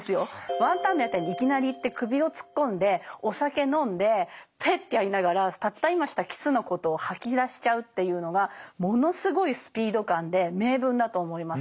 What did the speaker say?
ワンタンの屋台にいきなり行って首をつっこんでお酒飲んでペッてやりながらたった今したキスのことを吐き出しちゃうっていうのがものすごいスピード感で名文だと思います。